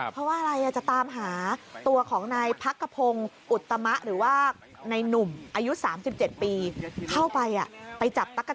เพราะว่าอะไร